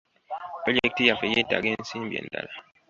Pulojeketi yaffe yetaaga ensimbi endala.